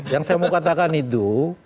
yang saya mau katakan itu